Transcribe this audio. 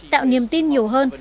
tạo niềm tin nhiều hơn